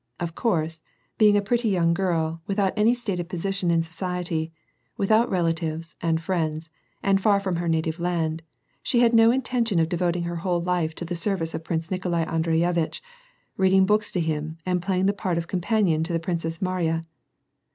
Of course, being a pretty young girl, without any stated position in society, without relatives, and friends, and far from her native land, she had no intention of devoting her whole life to the service of Prince Nikolai Andreyevitt^h, reading lK)oks to him, and playing the part of companion to the Princess Mariya.